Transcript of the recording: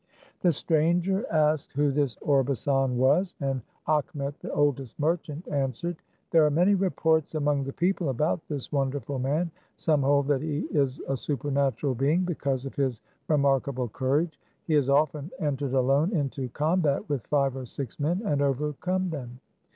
The stranger asked who this Orbasan was, and Achmet, the oldest merchant, answered, " There are many reports among the people about this wonderful man. Some hold that he is a super natural being, because of his remarkable courage ; he has often entered alone into combat with live or six men and overcome them.